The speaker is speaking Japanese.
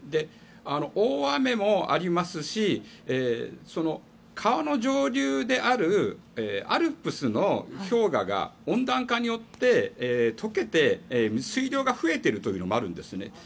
大雨もありますし川の上流であるアルプスの氷河が温暖化によって解けて水量が増えているというのもあるんですね。